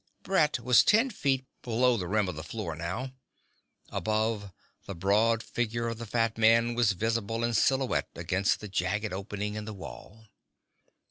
Brett was ten feet below the rim of floor now. Above, the broad figure of the fat man was visible in silhouette against the jagged opening in the wall.